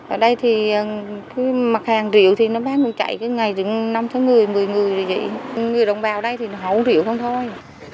ở đây thì mặt hàng rượu thì nó bán chạy ngày đến năm một mươi người người đồng bào ở đây thì họ uống rượu không thôi